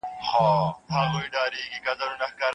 د سردرد یادښت ساتل ګټور وي.